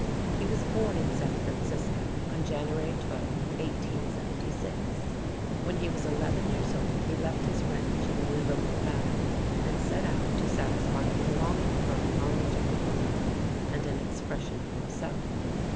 He was born in San Francisco on January 12, 1876. When he was eleven years old he left his ranch in the Livermore Valley and set out to satisfy his longing for a knowledge of the world and an expression of himself.